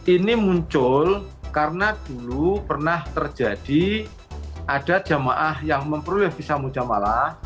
ini muncul karena dulu pernah terjadi ada jamaah yang memperoleh visa mujamalah